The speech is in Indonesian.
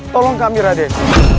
tolong kami raden